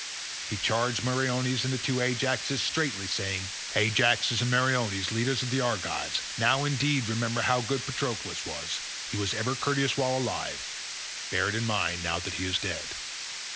He charged Meriones and the two Ajaxes straitly saying, "Ajaxes and Meriones, leaders of the Argives, now indeed remember how good Patroclus was; he was ever courteous while alive, bear it in mind now that he is dead."